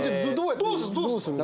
どうするの？